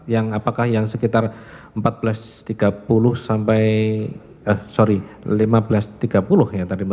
yang apakah yang sekitar empat belas tiga puluh sampai sorry lima belas tiga puluh yang tadi mbak